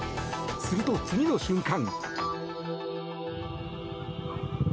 すると、次の瞬間。